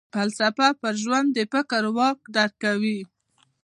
فلسفه پر ژوند د فکر واک درکوي.